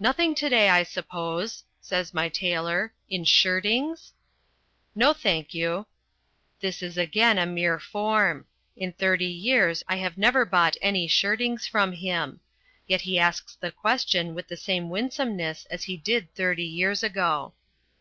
"Nothing to day, I suppose," says my tailor, "in shirtings?" "No, thank you." This is again a mere form. In thirty years I have never bought any shirtings from him. Yet he asks the question with the same winsomeness as he did thirty years ago.